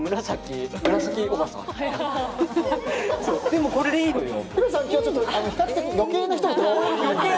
でもこれでいいのよ。